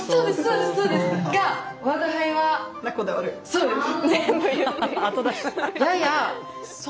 そうです。